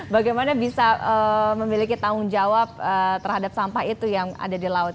bagaimana bisa memiliki tanggung jawab terhadap sampah itu yang ada di laut